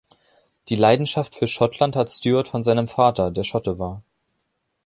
Die Leidenschaft für Schottland hat Stewart von seinem Vater, der Schotte war.